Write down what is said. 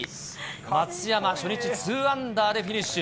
松山、初日ツーアンダーでフィニッシュ。